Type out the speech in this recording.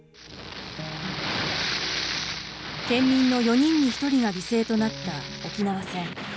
県民の４人に１人が犠牲となった沖縄戦。